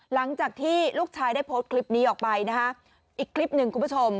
หลังจากที่ลูกชายได้โพสต์คลิปนี้ออกไปนะฮะอีกคลิปหนึ่งคุณผู้ชม